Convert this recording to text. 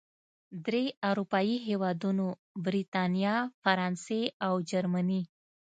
درې اروپايي هېوادونو، بریتانیا، فرانسې او جرمني